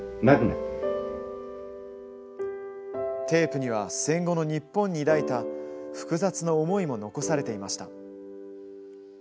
テープには、戦後の日本に抱いた複雑な思いも残されていました。